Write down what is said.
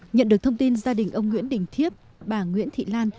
nhận được thông tin gia đình ông nguyễn đình thiếp bà nguyễn thị lan